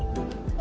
あ。